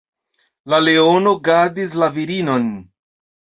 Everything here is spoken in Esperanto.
La leono gardis la virinon.